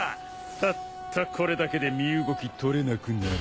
たったこれだけで身動き取れなくなる。